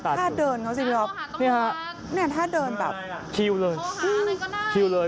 ไหนหาตัวให้อยู่นี่ฮะน่ากลัวกแบบคิวเลยเค๊าหาอะไรก็ได้